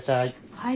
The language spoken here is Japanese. はい。